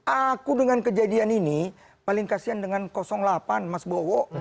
aku dengan kejadian ini paling kasian dengan delapan mas bowo